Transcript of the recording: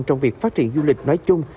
trong việc phát triển du lịch nói chung